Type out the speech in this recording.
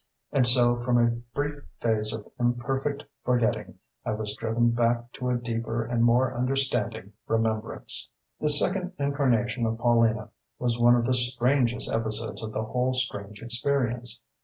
And so from a brief phase of imperfect forgetting I was driven back to a deeper and more understanding remembrance.... "This second incarnation of Paulina was one of the strangest episodes of the whole strange experience.